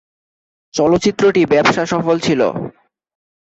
চলচ্চিত্রটি ব্যবসাসফল ছিলো।